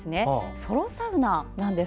ソロサウナなんです。